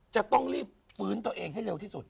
จะต้องรีบฟื้นตัวเองให้เร็วที่สุด